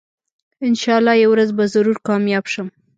انشاالله یوه ورځ به ضرور کامیاب شم